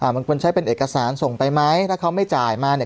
มันควรใช้เป็นเอกสารส่งไปไหมถ้าเขาไม่จ่ายมาเนี่ย